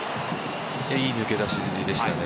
いい抜け出しでしたね。